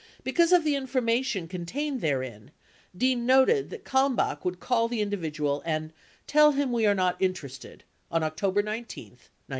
45 Because of the information con tained therein, Dean noted that Kalmbach would call the individual and "tell him we are not interested" on October 19, 1971.